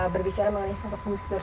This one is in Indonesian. berbicara mengenai sosok gus dur